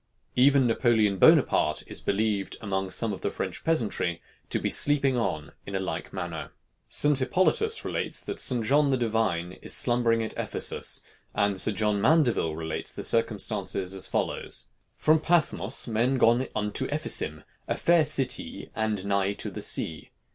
Even Napoleon Bonaparte is believed among some of the French peasantry to be sleeping on in a like manner. St. Hippolytus relates that St. John the Divine is slumbering at Ephesus, and Sir John Mandeville relates the circumstances as follows: "From Pathmos men gone unto Ephesim a fair citee and nyghe to the see.